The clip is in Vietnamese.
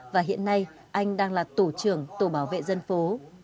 và hiện nay anh đang là tổ trưởng tổ bảo vệ dân phố